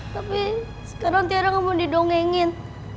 tapi sekarang tiara gak mau didongengin